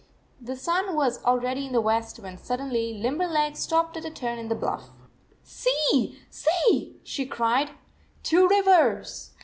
The sun was al ready in the west, when suddenly Limber leg stopped at a turn in the bluff. "See, see," she cried. "Two rivers."